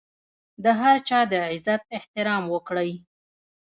د هر چا د عزت احترام وکړئ.